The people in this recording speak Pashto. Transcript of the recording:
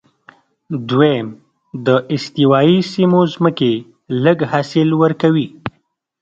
دویم، د استوایي سیمو ځمکې لږ حاصل ورکوي.